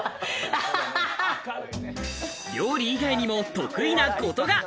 料理以外にも得意なことが。